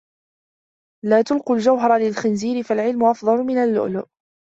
لَا تُلْقُوا الْجَوْهَرَ لِلْخِنْزِيرِ فَالْعِلْمُ أَفْضَلُ مِنْ اللُّؤْلُؤِ